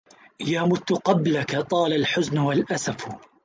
يا مت قبلك طال الحزن والأسف